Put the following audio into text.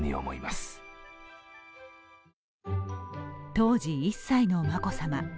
当時１歳の眞子さま。